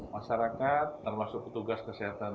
masyarakat termasuk petugas kesehatan